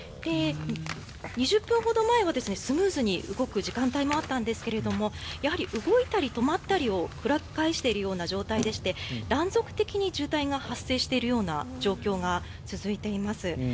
２０分ほど前はスムーズに動く時間帯もあったんですがやはり動いたり止まったりを繰り返している状態でして断続的に渋滞が発生している状況が続いています。